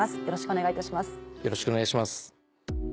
よろしくお願いします。